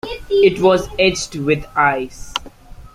It was edged with ice.